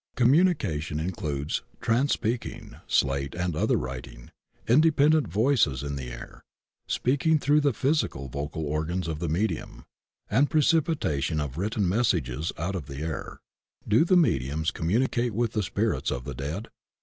Communication includes trance speaking, slate and other writing, independent voices in the air, speak ing through the physical vocal organs of the medium, and precipitation of written messages out of the air. Do the mediums communicate with the spirits of the dead?